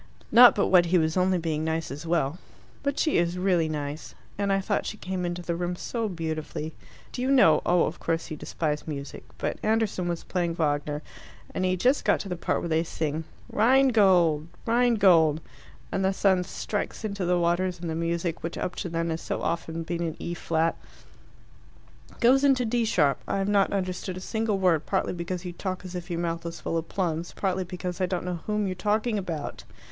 Not but what he was only being nice as well. But she is really nice. And I thought she came into the room so beautifully. Do you know oh, of course, you despise music but Anderson was playing Wagner, and he'd just got to the part where they sing 'Rheingold! 'Rheingold! and the sun strikes into the waters, and the music, which up to then has so often been in E flat " "Goes into D sharp. I have not understood a single word, partly because you talk as if your mouth was full of plums, partly because I don't know whom you're talking about."